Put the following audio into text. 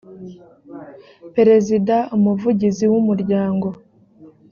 perezida umuvugizi w umuryango